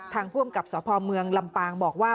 ผู้อำกับสพเมืองลำปางบอกว่า